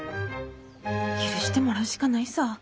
許してもらうしかないさぁ。